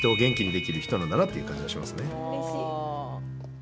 うれしい。